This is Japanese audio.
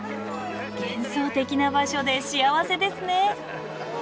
幻想的な場所で幸せですね。